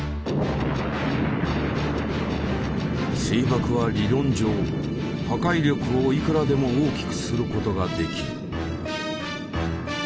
水爆は理論上破壊力をいくらでも大きくすることができる。